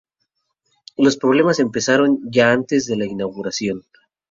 Los problemas empezaron ya antes de la inauguración.